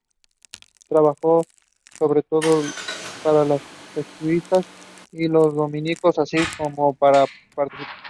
Trabajó sobre todo para los Jesuitas y los Dominicos, así como para particulares.